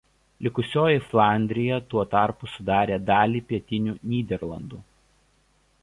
Likusioji Flandrija tuo tarpu sudarė dalį Pietinių Nyderlandų.